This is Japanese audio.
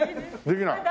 できない。